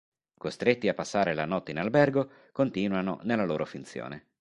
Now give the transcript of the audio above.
Costretti a passare la notte in albergo, continuano nella loro finzione.